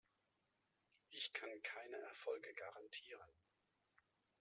Ich kann keine Erfolge garantieren.